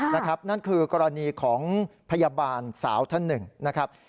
นั่นคือกรณีของพยาบาลสาวท่านหนึ่งนะครับ